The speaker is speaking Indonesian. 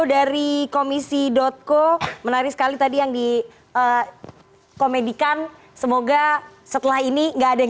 dari komisi co menarik sekali tadi yang di komedikan semoga setelah ini enggak ada yang